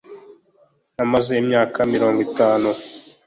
Namaze imyaka mirongo itanu